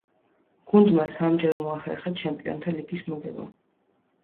გუნდმა სამჯერ მოახერხა ჩემპიონთა ლიგის მოგება.